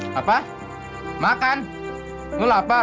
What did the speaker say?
ma dia mau makan ma dia lapar